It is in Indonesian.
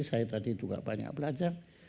saya tadi juga banyak belajar